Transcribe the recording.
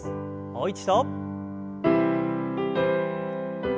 もう一度。